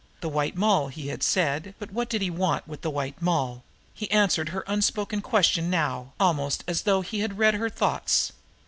The White Moll, he had said; but what did he want with the White Moll? He answered her unspoken question now, almost as though he had read her thoughts.